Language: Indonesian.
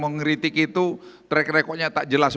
mengkritik itu track recordnya tak jelas